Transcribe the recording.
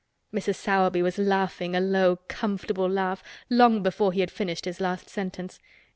Mrs. Sowerby was laughing a low comfortable laugh long before he had finished his last sentence.